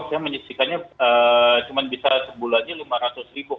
saya menyisihkannya cuma bisa sebulan nya lima ratus ribu